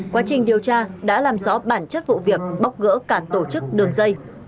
quá trình điều tra đã làm rõ bản chất vụ việc bóc gỡ cả tổ chức đường dây